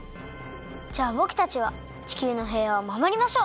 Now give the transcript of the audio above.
じゃあぼくたちは地球のへいわをまもりましょう！